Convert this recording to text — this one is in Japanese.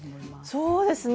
そうですね。